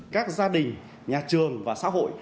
các gia đình nhà trường và xã hội